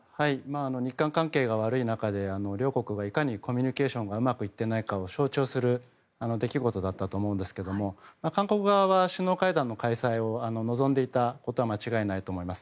日韓関係が悪い中で両国がいかにコミュニケーションがうまくいっていないかを象徴する出来事だったと思うんですけども韓国側は首脳会談の開催を望んでいたことは間違いないと思います。